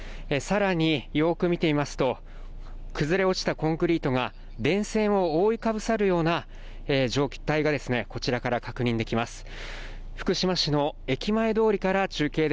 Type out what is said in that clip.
さらに、よく見ていますと、崩れ落ちたコンクリートが電線を覆いかぶさるような状態がこちらから確認できます。